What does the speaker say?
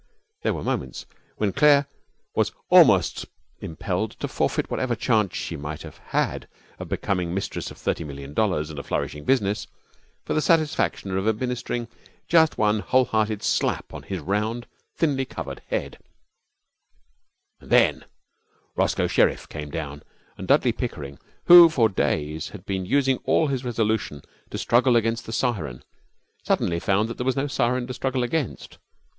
There were moments when Claire was almost impelled to forfeit whatever chance she might have had of becoming mistress of thirty million dollars and a flourishing business, for the satisfaction of administering just one whole hearted slap on his round and thinly covered head. And then Roscoe Sherriff came down, and Dudley Pickering, who for days had been using all his resolution to struggle against the siren, suddenly found that there was no siren to struggle against.